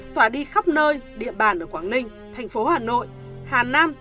tỏa đi khắp nơi địa bàn ở quảng ninh thành phố hà nội hà nam